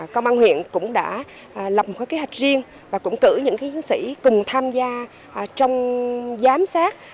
công an huyện cũng đã lập một cái kế hoạch riêng và cũng cử những giám sát cùng tham gia trong giám sát